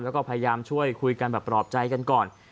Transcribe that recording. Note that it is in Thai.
แล้วก็พยายามช่วยคุยกันแบบปลอบใจกันก่อน